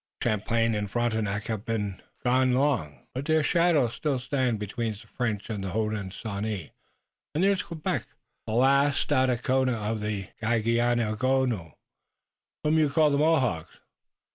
Champlain and Frontenac have been gone long, but their shadows still stand between the French and the Hodenosaunee, and there is Quebec, the lost Stadacona of the Ganegaono, whom you call the Mohawks.